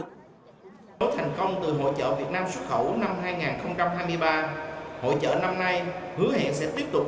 thành công từ hội trợ việt nam xuất khẩu năm hai nghìn hai mươi ba hội trợ năm nay hứa hẹn sẽ tiếp tục